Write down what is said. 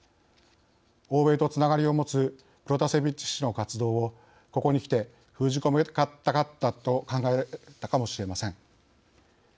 欧米とつながりを持つプロタセビッチ氏の活動をここにきて封じ込めたかったと考えたかもしれません。